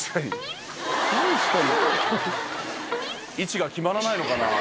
位置が決まらないのかな。